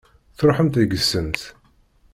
Tṛuḥemt deg-sent.